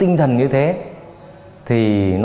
từ nhiều nguồn thông tin